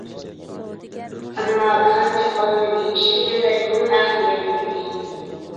ئەمما، كان تاپالمىدى، ئىشلىگەنلەرگىمۇ ھەق بېرىلمىدى.